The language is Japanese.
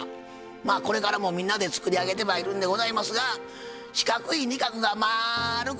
まあこれからもみんなで作り上げてまいるんでございますが「四角い仁鶴がまるくおさめまっせ」。